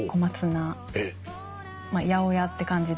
八百屋って感じで。